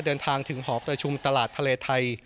เดินทางถึงหอประชุมตลาดทะเลไทย